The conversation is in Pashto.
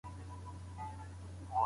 تنبور بې تاره نه وي.